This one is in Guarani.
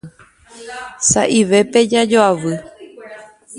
Sa'ivépe jajoavy.